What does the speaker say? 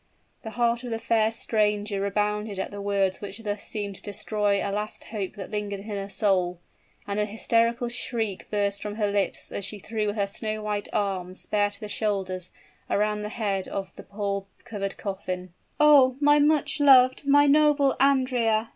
The heart of the fair stranger rebounded at the words which thus seemed to destroy a last hope that lingered in her soul; and a hysterical shriek burst from her lips as she threw her snow white arms, bare to the shoulders, around the head of the pall covered coffin. "Oh! my much loved my noble Andrea!"